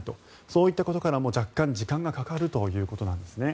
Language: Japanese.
そういったことからも若干時間がかかるということなんですね。